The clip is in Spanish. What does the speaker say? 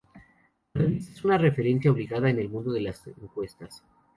La revista es una referencia obligada en el mundo de las encuestas.